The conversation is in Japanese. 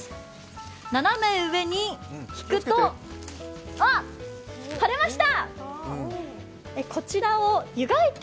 斜め上に引くと、あっ取れました。